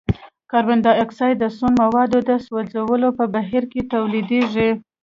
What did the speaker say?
کاربن ډای اکسايډ د سون موادو د سوځولو په بهیر کې تولیدیږي.